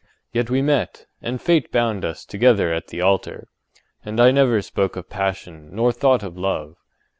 Yet we met; and fate bound us together at the altar; and I never spoke of passion nor thought of love.